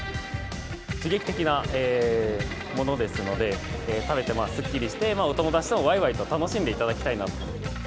刺激的なものですので、食べてすっきりして、お友達とわいわいと楽しんでいただきたいなと。